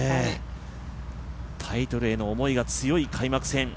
タイトルへの思いが強い開幕戦。